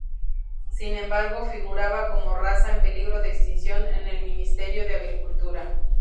Sin embargo, figuraba como raza en peligro de extinción en el Ministerio de Agricultura.